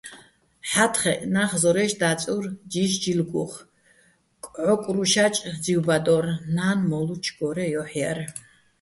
ჰ̦ა́თხეჸ ნახ ზორაჲში̆ და́წურ ჯიშ-ჯილგუხ, კჵო́კრუშაჭ ძივბადო́რ, ნა́ნ მო́ლუჩო̆ გო́რეჼ ჲოჰ̦ ჲარ.